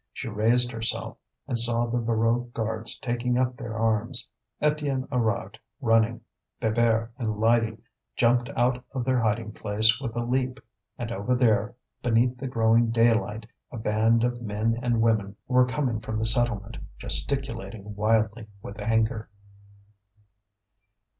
She raised herself, and saw the Voreux guards taking up their arms. Étienne arrived running; Bébert and Lydie jumped out of their hiding place with a leap. And over there, beneath the growing daylight, a band of men and women were coming from the settlement, gesticulating wildly with anger.